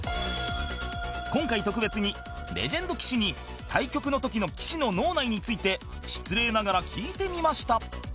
今回特別にレジェンド棋士に対局の時の棋士の脳内について失礼ながら聞いてみました